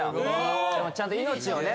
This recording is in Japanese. ちゃんと命をね